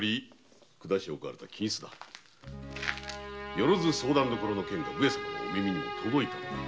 「よろづ相談処」の件が上様のお耳にも届いたのだ。